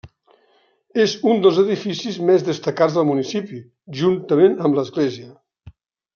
És un dels edificis més destacats del municipi juntament amb l'església.